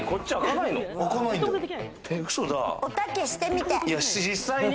おたけ、してみて。